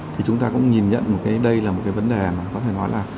thì chúng ta cũng nhìn nhận một cái đây là một cái vấn đề mà nó có thể nói là